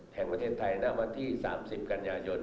แห่งประเทศไทยน่าวันที่๓๐กัญญาณยนต์